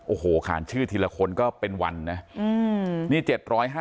โอ้โหขานชื่อทีละคนก็เป็นวันนะ